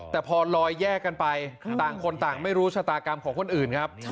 แต่พอลอยแยกกันไปต่างคนต่างไม่รู้ชะตากรรมของคนอื่นครับ